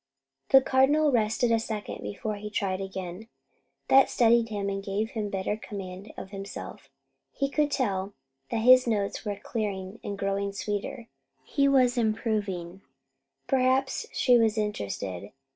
The Cardinal rested a second before he tried again. That steadied him and gave him better command of himself. He could tell that his notes were clearing and growing sweeter. He was improving. Perhaps she was interested.